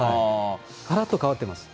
がらっと変わってます。